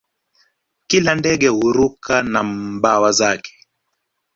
Kila ndege huruka na mbawa zake